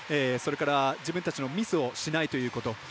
それから自分たちのミスをしないということ。